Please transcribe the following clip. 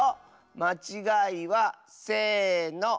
まちがいはせの！